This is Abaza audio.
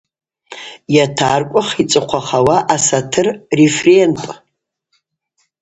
Йатаркӏвах йцӏыхъвахауа асатыр рефренпӏ.